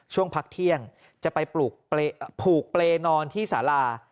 ช่วงพักเที่ยงจะไปผูกเปรย์นอนที่สารา